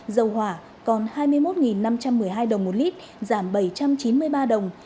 dầu hỏa còn hai mươi một năm trăm một mươi hai đồng một lít giảm bảy trăm chín mươi ba đồng